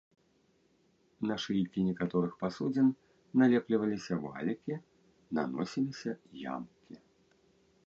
На шыйкі некаторых пасудзін налепліваліся валікі, наносіліся ямкі.